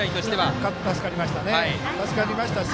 助かりましたね。